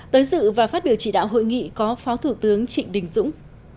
tới dự và phát biểu chỉ đạo hội nghị có phó thủ tướng trịnh đình dũng